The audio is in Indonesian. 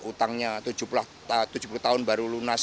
utangnya tujuh puluh tahun baru lunas